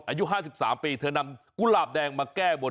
อายุ๕๓ปีเธอนำกุหลาบแดงมาแก้บน